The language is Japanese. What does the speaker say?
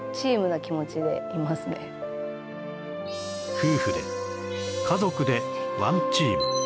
夫婦で家族でワンチーム。